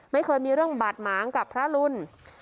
ไม่เคยมีเรื่องบาดหมางกับพระรุน